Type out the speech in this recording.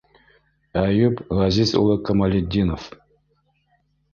Әйүп Ғәзиз улы Камалетдинов.